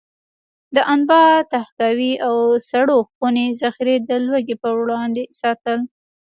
د انبار، تحکاوي او سړو خونې ذخیرې د لوږې پر وړاندې ساتل.